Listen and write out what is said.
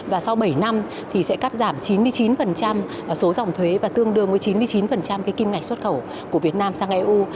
và sau bảy năm thì sẽ cắt giảm chín mươi chín số dòng thuế và tương đương với chín mươi chín kim ngạch xuất khẩu của việt nam sang eu